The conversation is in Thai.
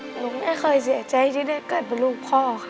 หนูไม่เคยเสียใจที่ได้เกิดเป็นลูกพ่อค่ะ